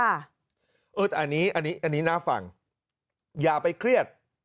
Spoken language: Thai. อันนี้น่าฟังอย่าไปเครียด